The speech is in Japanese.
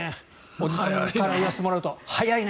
おじさんから言わせてもらうと早いね。